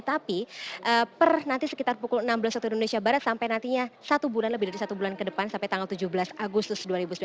tapi per nanti sekitar pukul enam belas waktu indonesia barat sampai nantinya satu bulan lebih dari satu bulan ke depan sampai tanggal tujuh belas agustus dua ribu sembilan belas